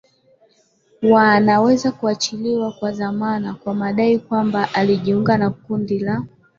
wa anaweza kuachiliwa kwa dhamana kwa madai kwamba alijiunga na kundi la